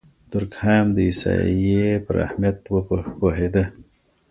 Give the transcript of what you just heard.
دورکهايم د احصائيې پر اهميت پوهېده.